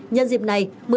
nhân dịp này